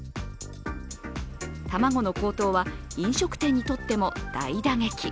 卵の高騰は、飲食店にとっても大打撃。